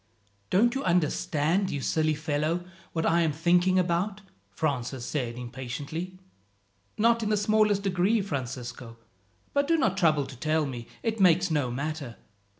"Don't you understand, you silly fellow, what I am thinking about?" Francis said impatiently. "Not in the smallest degree, Francisco; but do not trouble to tell me it makes no matter.